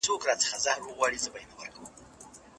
شرم انسان یوازې کوي.